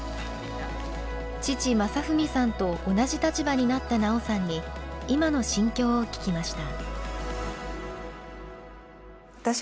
父雅文さんと同じ立場になった奈緒さんに今の心境を聞きました。